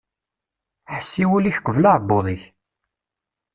Ḥess i wul-ik qbel aεebbuḍ-ik.